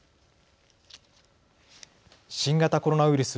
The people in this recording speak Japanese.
新型コロナウイルス。